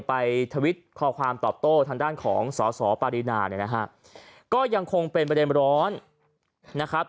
ทวิตข้อความตอบโต้ทางด้านของสอสอปารีนาเนี่ยนะฮะก็ยังคงเป็นประเด็นร้อนนะครับ